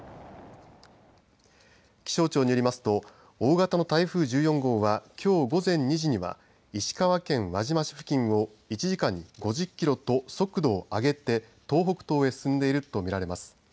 気象庁によりますと大型の台風１４号はきょう午前２時には石川県輪島市付近を１時間に５０キロと速度を上げて東北東へ進んでいると見られます。